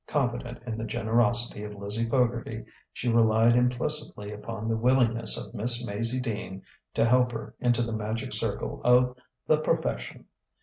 Confident in the generosity of Lizzie Fogarty, she relied implicitly upon the willingness of Miss Maizie Dean to help her into the magic circle of "the profession."